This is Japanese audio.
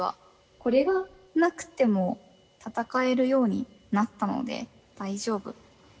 これがなくても闘えるようになったので大丈夫。